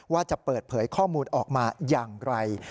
ว่าจะเปิดเผยข้อมูลออกมาอย่างไร